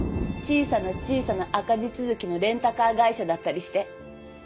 小さな小さな赤字続きのレンタカー会社だったりして。